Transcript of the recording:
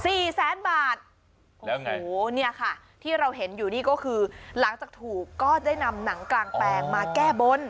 แสนบาทแล้วไงโอ้โหเนี่ยค่ะที่เราเห็นอยู่นี่ก็คือหลังจากถูกก็ได้นำหนังกลางแปลงมาแก้บน